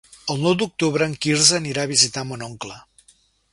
El nou d'octubre en Quirze anirà a visitar mon oncle.